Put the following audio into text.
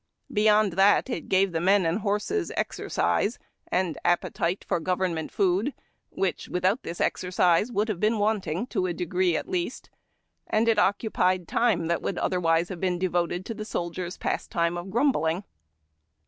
Beyond that, it gave men and horses exercise, and appetite for government food, wliich, without the exercise, would have been wanting, to a degree at least, and occupied time that would otherwise have been devoted to the soldier's pastime of grumbling.